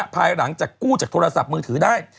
ภายหลังจากกู้จากโทรศัพท์มือถือได้